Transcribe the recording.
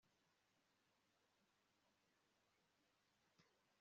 Apfumbatura ikiganza agahaza byose